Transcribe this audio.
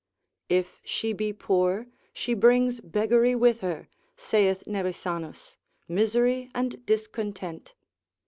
If she be poor, she brings beggary with her (saith Nevisanus), misery and discontent.